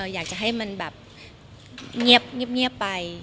อยากจะให้มันแบบเงียบไป